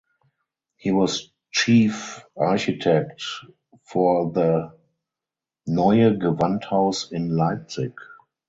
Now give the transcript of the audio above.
He was chief architect for the Neue Gewandhaus in Leipzig.